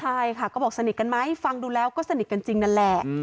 ใช่ค่ะก็บอกสนิทกันไหมฟังดูแล้วก็สนิทกันจริงนั่นแหละ